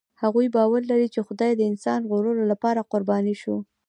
هغوی باور لري، چې خدای د انسان د ژغورلو لپاره قرباني شو.